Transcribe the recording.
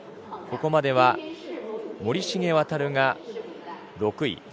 ここまでは森重航が６位。